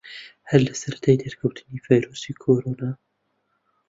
هەر لە سەرەتای دەرکەوتنی ڤایرۆسی کۆرۆنا